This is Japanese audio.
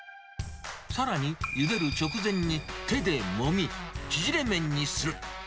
さらに、ゆでる直前に手でもみ、ちぢれ麺にする。